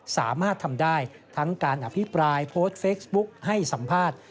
สามารถทำได้ทั้งการอภิปรายโพสต์เฟซบุ๊กให้สัมภาษณ์